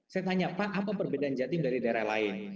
saya tanya pak apa perbedaan jatim dari daerah lain